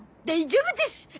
大丈夫です！